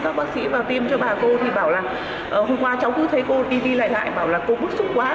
ghiêm cho bà cô thì bảo là hôm qua cháu cứ thấy cô đi đi lại lại bảo là cô bức xúc quá